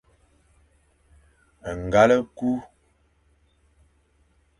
Ngal e ku.